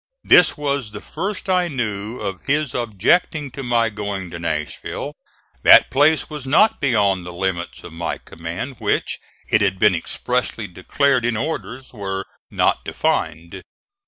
This was the first I knew of his objecting to my going to Nashville. That place was not beyond the limits of my command, which, it had been expressly declared in orders, were "not defined."